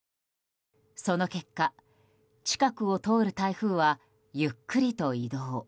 その結果、近くを通る台風はゆっくりと移動。